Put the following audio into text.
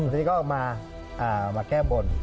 ทีนี้ก็มาแก้บน